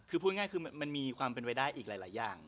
คือพูดง่ายคือมันมีความเป็นไปได้อีกหลายอย่าง